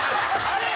あれ？